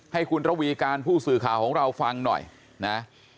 ให้คุณระวีการผู้สื่อข่าวของเราฟังหน่อยนะ